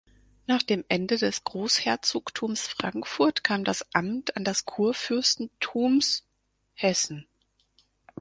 Nach dem Ende des Großherzogtums Frankfurt kam das Amt an das Kurfürstentums Hessen.